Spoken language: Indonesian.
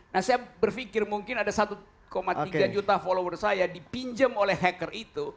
nah saya berpikir mungkin ada satu tiga juta follower saya dipinjam oleh hacker itu